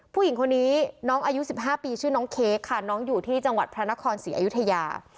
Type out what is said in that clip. ผู้หญิงคนนี้น้องอายุ๑๕ปีชื่อน้องเค้กค่ะน้องอยู่ที่จังหวัดพระนครศรีอยุธยา